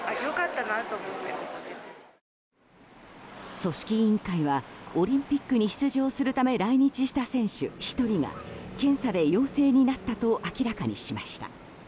組織委員会はオリンピックに出場するため来日した選手１人が検査で陽性になったと明らかにしました。